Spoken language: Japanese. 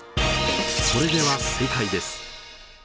それでは正解です。